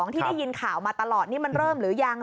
ที่ได้ยินข่าวมาตลอดนี่มันเริ่มหรือยัง